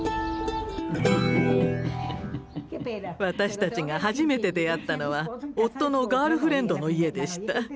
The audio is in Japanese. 私たちが初めて出会ったのは夫のガールフレンドの家でした。